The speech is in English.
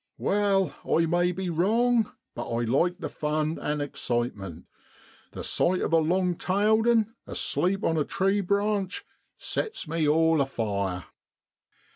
Wai, I may be wrong, but I like the fun an' excitement: the sight of a long tailed 'un asleep on a tree branch sets me all afire.